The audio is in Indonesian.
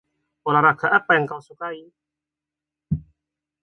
Olahraga apa yang kau sukai?